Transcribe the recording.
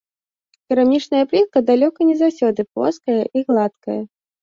Керамічная плітка далёка не заўсёды плоская і гладкая.